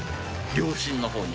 両親のほうに。